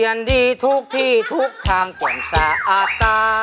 เพลงนี้อยู่ในอาราบัมชุดแจ็คเลยนะครับ